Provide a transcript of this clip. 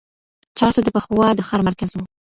چارسو د پخوا د ښار مرکز و.